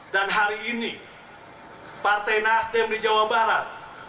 dan hari ini partai nasdem di jawa barat